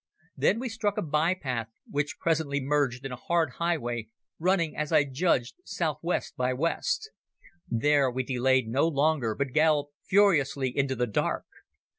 Then we struck a by path which presently merged in a hard highway, running, as I judged, south west by west. There we delayed no longer, but galloped furiously into the dark.